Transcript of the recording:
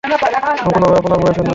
আমি কোনভাবেই আপনার বয়সের না।